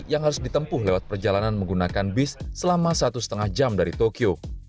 yang harus ditempuh lewat perjalanan menggunakan bis selama satu lima jam dari tokyo